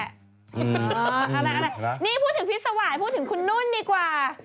อ๋อทั้งนั้นนี่พูดถึงพิษสวรรค์พูดถึงคุณนุ่นดีกว่า